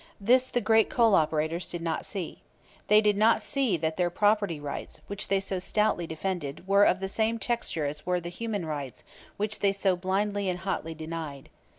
This the great coal operators did not see. They did not see that their property rights, which they so stoutly defended, were of the same texture as were the human rights, which they so blindly and hotly denied.